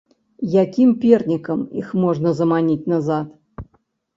Якім пернікам іх можна заманіць назад?